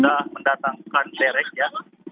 sudah mendatangkan derek ya